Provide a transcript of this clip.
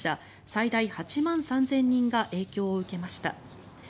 最大８万３０００人が影響を受けました。